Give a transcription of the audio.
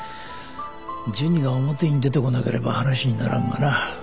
ジュニが表に出てこなければ話にならんがな。